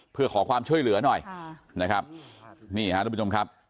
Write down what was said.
เพื่อขอความช่วยเหลือหน่อยนะครับนี่ฮะทุกผู้ชมครับ